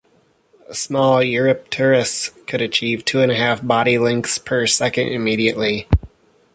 A small "Eurypterus" could achieve two and a half body lengths per second immediately.